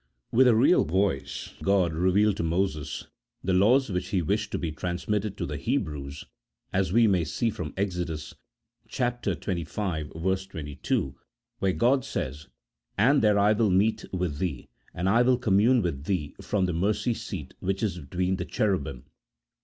With a real voice God revealed to Moses the laws which He wished to be transmitted to the Hebrews, as we may see from Exodus xxv. 22, where God says, " And there I will meet with thee and I will commune with thee from the mercy seat which is between the Cherubim."